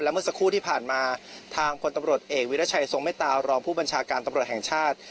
เมื่อสักครู่ที่ผ่านมาทางพลตำรวจเอกวิรัชัยทรงเมตตารองผู้บัญชาการตำรวจแห่งชาติ